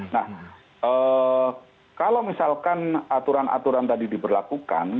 nah kalau misalkan aturan aturan tadi diberlakukan